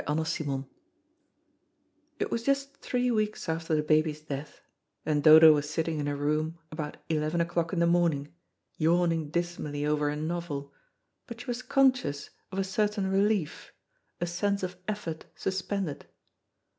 CHAPTER ELEVEN It was just three weeks after the baby's death, and Dodo was sitting in her room about eleven o'clock in the morning, yawning dismally over a novel, but she was conscious of a certain relief, a sense of effort suspended.